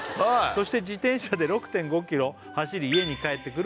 「そして自転車で６．５ｋｍ走り家に帰ってくるまでが」